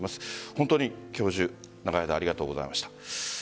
本当に教授長い間ありがとうございました。